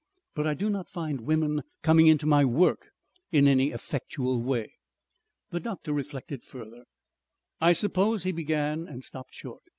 But I do not find women coming into my work in any effectual way." The doctor reflected further. "I suppose," he began and stopped short.